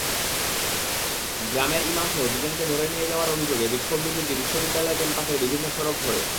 গ্রামের ইমামসহ দুজনকে ধরে নিয়ে যাওয়ার অভিযোগবিক্ষোভ মিছিলটি বিশ্ববিদ্যালয় ক্যাম্পাসের বিভিন্ন সড়ক ঘোরে।